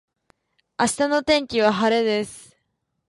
明日の天気は晴れです。